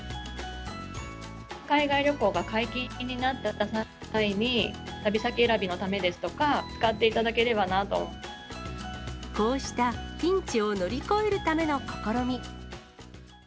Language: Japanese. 海外旅行が解禁になった際に、旅先選びのためですとか、こうしたピンチを乗り越えるための試み。